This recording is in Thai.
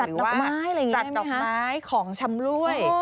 หรือว่าจัดดอกไม้ของชำร่วย